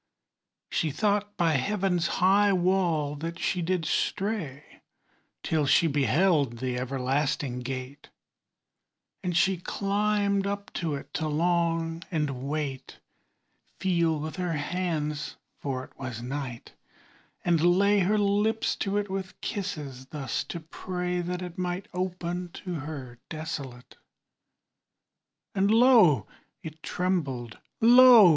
She thought by heaven's high wall that she did stray Till she beheld the everlasting gate: And she climbed up to it to long, and wait, Feel with her hands (for it was night), and lay Her lips to it with kisses; thus to pray That it might open to her desolate. And lo! it trembled, lo!